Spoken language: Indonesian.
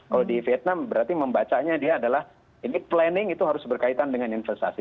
kalau di vietnam berarti membacanya dia adalah ini planning itu harus berkaitan dengan investasi